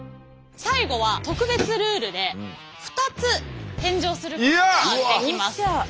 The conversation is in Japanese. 最後は特別ルールで２つ返上することができます。